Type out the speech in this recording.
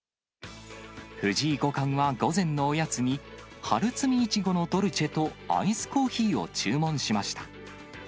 藤井五冠は午前のおやつに、春摘み苺のドルチェとアイスコーヒーを注文しました。